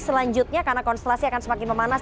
selanjutnya karena konstelasi akan semakin memanas